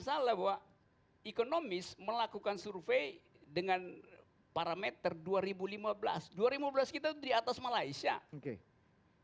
salah bahwa ekonomis melakukan survei dengan parameter dua ribu lima belas dua ribu lima belas kita di atas malaysia oke